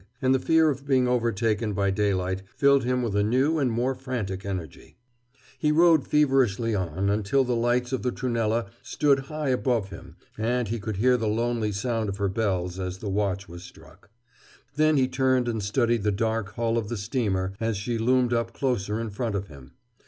And the fear of being overtaken by daylight filled him with a new and more frantic energy. He rowed feverishly on, until the lights of the Trunella stood high above him and he could hear the lonely sound of her bells as the watch was struck. Then he turned and studied the dark hull of the steamer as she loomed up closer in front of him.